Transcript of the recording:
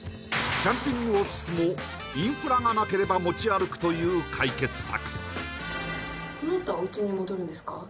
キャンピングオフィスもインフラがなければ持ち歩くという解決策